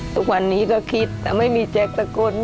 แต่ไม่มีแจ๊คสักคน